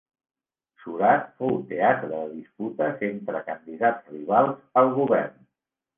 Surat fou teatre de disputes entre candidats rivals al govern.